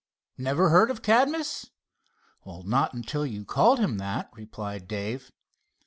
"Never heard of Cadmus?" "Not until you called him that," replied Dave.